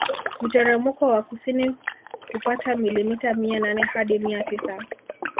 Mteremko wa kusini hupata milimita mia nane hadi mia tisa